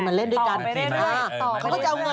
สวัสดีค่าข้าวใส่ไข่